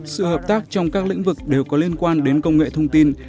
sự hợp tác trong các lĩnh vực đều có liên quan đến công nghệ thông tin